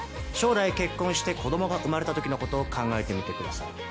将来結婚して子どもが生まれたときのことを考えてみてください。